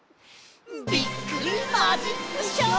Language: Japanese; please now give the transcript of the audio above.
びっくりマジックショー！